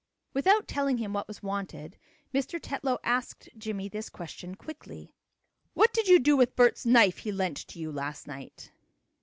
Without telling him what was wanted Mr. Tetlow asked Jimmie this question quickly: "What did you do with Bert's knife he lent it to you last night?"